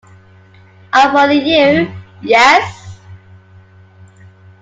I follow you, yes.